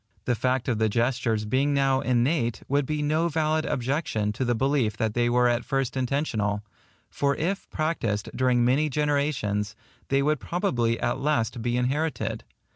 The fact of the gestures being now innate, would be no valid objection to the belief that they were at first intentional; for if practised during many generations, they would probably at last be inherited.